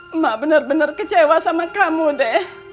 emak benar benar kecewa sama kamu deh